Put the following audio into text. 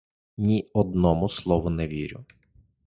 Ні одному слову не вірю.